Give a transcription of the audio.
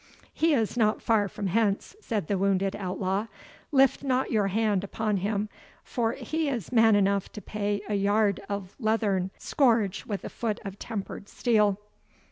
"He is not far from hence," said the wounded outlaw "lift not your hand upon him, for he is man enough to pay a yard of leathern scourge with a foot of tempered steel."